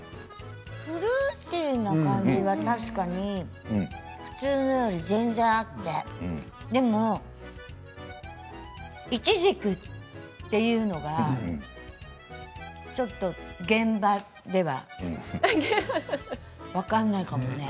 フルーティーな感じは確かに普通のより全然あってでもイチジクっていうのはちょっと現場では分からないかもね。